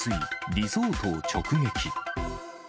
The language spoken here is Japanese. リゾートを直撃。